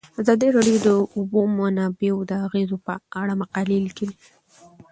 ازادي راډیو د د اوبو منابع د اغیزو په اړه مقالو لیکلي.